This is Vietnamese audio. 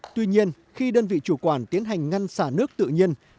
tuy nhiên khi đơn vị chủ quản tiến hành ngăn xả nước tự nhiên